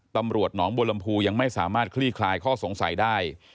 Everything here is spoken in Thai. ตำรวจหนองบัวลำพูยังไม่สามารถคลี่คลายข้อสงสัยได้